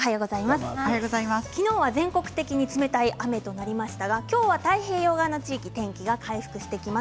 昨日は全国的に冷たい雨になりましたが今日は太平洋側の地域は天気が回復してきます。